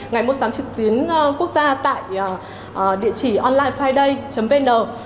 ngày mua sắm trực tiến quốc gia tại địa chỉ onlinefriday vn